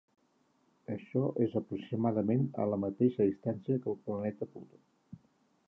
Això és aproximadament a la mateixa distància que el planeta Plutó.